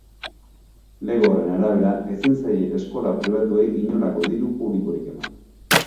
Lege horren arabera, ezin zaie eskola pribatuei inolako diru publikorik eman.